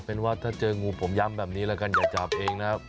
เป็นว่าถ้าเจองูผมย้ำแบบนี้แล้วกันอย่าจับเองนะครับ